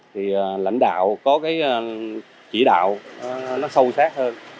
thì lãnh đạo có cái chỉ đạo nó sâu sát hơn